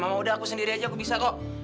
mau udah aku sendiri aja aku bisa kok